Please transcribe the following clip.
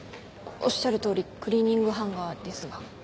おっしゃるとおりクリーニングハンガーですが。